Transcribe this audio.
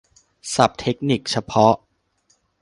ศัพท์เทคนิคเฉพาะ